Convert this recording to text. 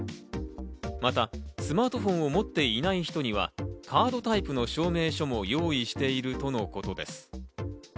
またスマートフォンを持っていない人には、カードタイプの証明書も用意しているとのことです。